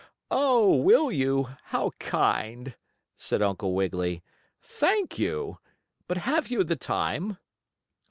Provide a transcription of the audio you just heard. "Oh, will you? How kind!" said Uncle Wiggily. "Thank you! But have you the time?"